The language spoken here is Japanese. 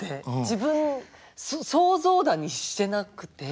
自分想像だにしてなくて。